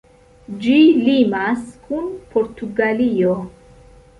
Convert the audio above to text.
Ĝi limas kun Portugalio.